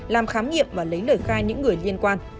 làm khám nghiệm và lấy lời khai những người liên quan